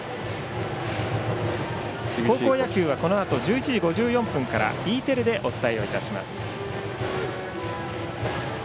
高校野球はこのあと１１時５４分からＥテレでお伝えをいたします。